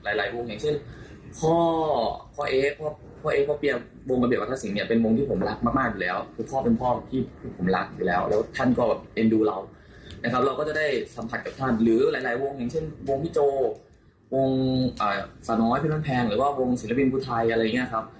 อย่างเช่นวงพี่โจวงอ่าสะน้อยพี่มันแพงหรือว่าวงศิลปินผู้ไทยอะไรอย่างเงี้ยครับ